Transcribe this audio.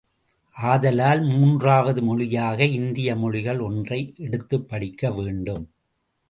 ஆதலால் மூன்றாவது மொழியாக இந்திய மொழிகள் ஒன்றை எடுத்துப்படிக்க வேண்டும்.